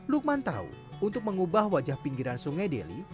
lukman tahu untuk mengubah wajah pinggiran sungai deli